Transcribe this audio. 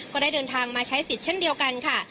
ก็ได้เดินทางมาใช้สิทธิ์เช่นเดียวกันค่ะ